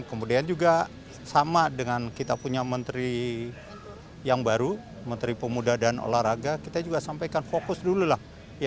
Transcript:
kemudian juga sama dengan kita punya menteri yang baru menteri pemuda dan olahraga kita juga sampaikan fokus dulu lah